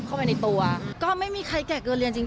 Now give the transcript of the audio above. จริงตรีอยากจบให้คุณพ่อ